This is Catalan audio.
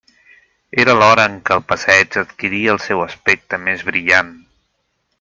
Era l'hora en què el passeig adquiria el seu aspecte més brillant.